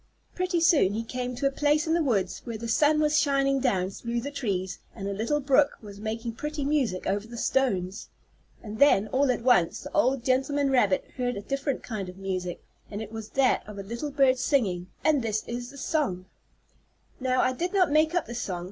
Pretty soon he came to a place in the woods where the sun was shining down through the trees, and a little brook was making pretty music over the stones. And then, all at once, the old gentleman rabbit heard a different kind of music, and it was that of a little bird singing. And this is the song. Now I did not make up this song.